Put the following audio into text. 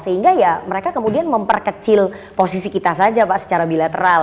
sehingga ya mereka kemudian memperkecil posisi kita saja pak secara bilateral